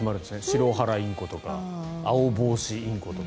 シロハラインコとかアオボウシインコとか。